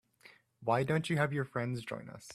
Why don't you have your friends join us?